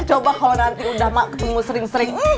coba kalau nanti udah ketemu sering sering